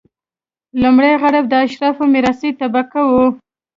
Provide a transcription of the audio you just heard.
لومړي غړي د اشرافو میراثي طبقه وه.